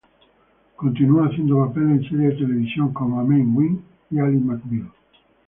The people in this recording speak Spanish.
Continuó haciendo papeles en series de televisión como "Amen", "Wings" y "Ally McBeal".